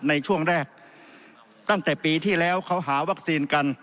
ในช่วงแรกตั้งแต่ปีที่แล้วเขาหาวัคซีนกัน